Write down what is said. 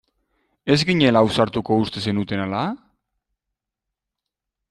Ez ginela ausartuko uste zenuten ala?